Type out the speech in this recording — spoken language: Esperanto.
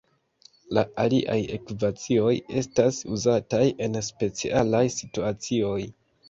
La aliaj ekvacioj estas uzataj en specialaj situacioj.